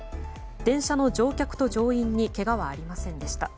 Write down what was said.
電車の乗客と乗員にけがはありませんでした。